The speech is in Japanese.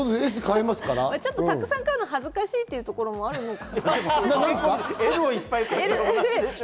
たくさん買うの恥ずかしいというのもあるのかな？